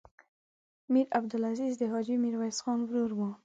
میر عبدالعزیز د حاجي میرویس خان ورور و.